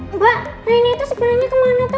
mbak reina itu sebenernya kemana tuh